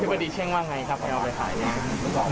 คุณภาพดีแช่งว่าไงครับเอาไปขายเนี่ย